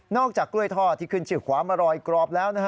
นอกจากกล้วยทอดที่ขึ้นชื่อขวามารอยกรอบแล้ว